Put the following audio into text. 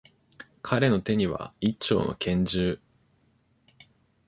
彼の手には、一丁の拳銃。